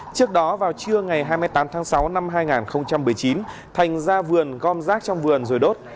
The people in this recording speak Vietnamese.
trước đó vào trưa ngày hai mươi tám tháng sáu năm hai nghìn một mươi chín thành ra vườn gom rác trong vườn rồi đốt